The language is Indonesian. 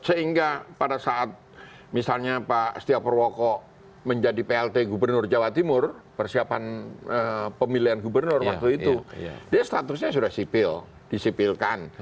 sehingga pada saat misalnya pak setia purwoko menjadi plt gubernur jawa timur persiapan pemilihan gubernur waktu itu dia statusnya sudah sipil disipilkan